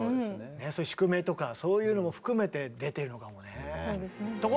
そういう宿命とかそういうのも含めて出てるのかもね。